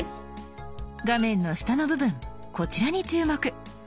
画面の下の部分こちらに注目。